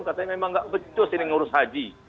katanya memang nggak becus ini ngurus haji